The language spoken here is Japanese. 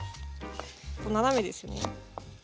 斜めですよね。